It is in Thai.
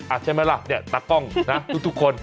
ใช่ไหมล่ะเนี่ยตากล้องนะทุกคน